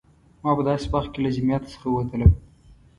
ما په داسې وخت کې له جمعیت څخه ووتلم.